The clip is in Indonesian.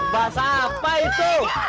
bahasa apa itu